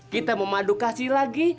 kita memadukasi lagi